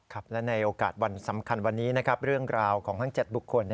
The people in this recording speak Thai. ครับและในโอกาสวันสำคัญวันนี้นะครับเรื่องราวของทั้ง๗บุคคล